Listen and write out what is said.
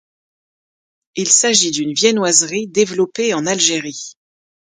Il s'agit d'une viennoiserie développée en Algérie.